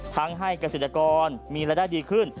ให้เกษตรกรมีรายได้ดีขึ้น